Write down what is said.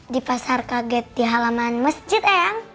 di pasar kaget di halaman masjid eh